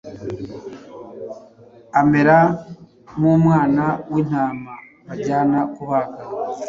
amera nk’umwana w’intama bajyana kubaga,